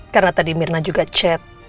karena tadi mirna juga chat